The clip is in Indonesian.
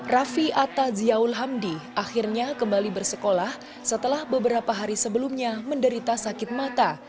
raffi atta ziyaul hamdi akhirnya kembali bersekolah setelah beberapa hari sebelumnya menderita sakit mata